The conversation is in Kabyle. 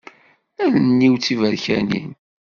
Allen-iw d tiberkanin.